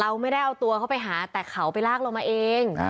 เราไม่ได้เอาตัวเขาไปหาแต่เขาไปลากเรามาเอง